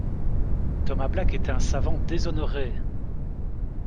Thomas Black était un savant déshonoré!